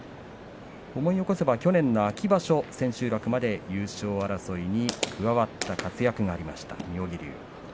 思い起こせば去年の秋場所千秋楽まで優勝争いに関わった活躍がありました。